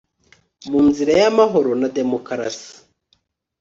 mu nzira y amahoro na demokarasi